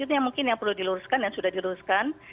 itu mungkin yang perlu diluruskan yang sudah diluruskan